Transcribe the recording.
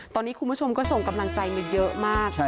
ตอนนี้คุณผู้ชมก็ส่งกำลังใจมาเยอะมาก